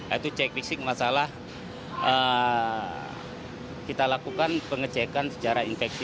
itu cek fisik masalah kita lakukan pengecekan secara infeksi